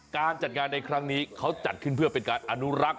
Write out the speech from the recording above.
การจัดงานในครั้งนี้เขาจัดขึ้นเพื่อเป็นการอนุรักษ์